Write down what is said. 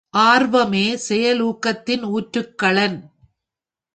ஆர்வமே செயலூக்கத்தின் ஊற்றுக் களன்.